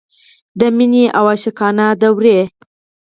د مینې اوه عاشقانه دورې.